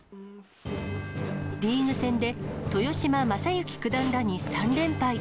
リーグ戦で豊島将之九段らに３連敗。